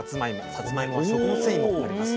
さつまいもは食物繊維も含まれます。